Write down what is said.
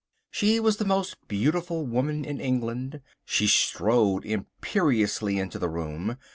She was the most beautiful woman in England. She strode imperiously into the room.